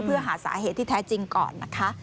เพื่อหาสาเหตุที่แท้จริงก่อนนะคะ